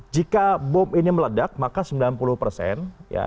jika bom ini meledak maka sembilan puluh persen